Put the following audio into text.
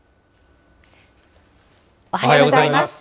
おはようございます。